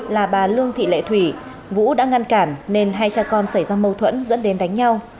là bà lương thị lệ thủy vũ đã ngăn cản nên hai cha con xảy ra mâu thuẫn dẫn đến đánh nhau